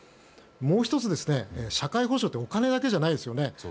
もう１つ、社会保障ってお金だけではないですよね。